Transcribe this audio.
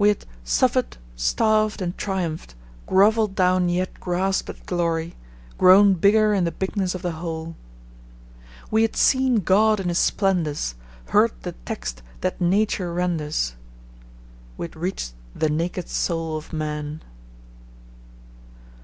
We had "suffered, starved, and triumphed, grovelled down yet grasped at glory, grown bigger in the bigness of the whole." We had seen God in His splendours, heard the text that Nature renders. We had reached the naked soul of man.